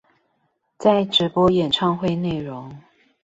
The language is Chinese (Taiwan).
在直播演唱會內容